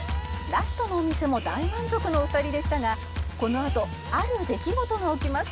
「ラストのお店も大満足のお二人でしたがこのあとある出来事が起きます」